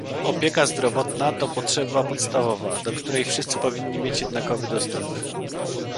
Opieka zdrowotna to potrzeba podstawowa, do której wszyscy powinni mieć jednakowy dostęp